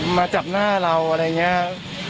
มาจับหน้าเราอะไรอย่างนี้